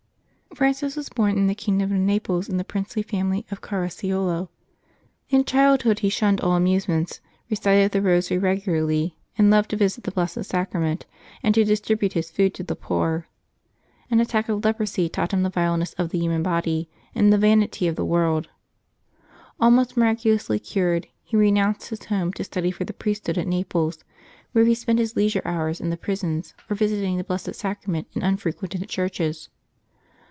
HEANCis was born in the kingdom of Naples, of the princely family of Caracciolo. In childhood he shunned all amusements, recited the Rosary regularly, and loved to visit the Blessed Sacrament and to distribute his food to the poor. An attack of leprosy taught him the vileness of the human body and the vanity of the world. June 4] LIVES OF THE SAINTS 205 Almost miraculously cured, he renounced his home to study for the priesthood at Naples, where he spent his leisure hours in the prisons or visiting the Blessed Sacra ment in unfrequented churches.